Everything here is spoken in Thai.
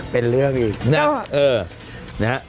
เป็นเรื่องอีกนะ